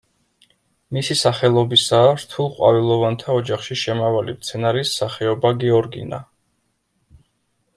მისი სახელობისაა რთულყვავილოვანთა ოჯახში შემავალი მცენარის სახეობა გეორგინა.